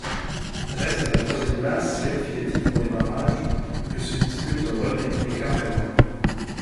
Reste la troisième place, qualificative pour les barrages, que se disputent Rennais et Quimpérois.